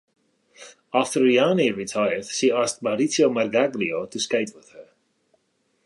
After Reani retired, she asked Maurizio Margaglio to skate with her.